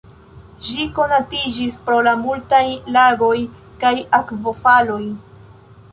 Ĝi konatiĝis pro la multaj lagoj kaj akvofaloj.